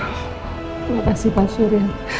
terima kasih mau surut